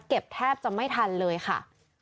แทบจะไม่ทันเลยค่ะ